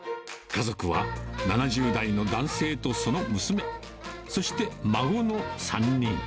家族は７０代の男性とその娘、そして孫の３人。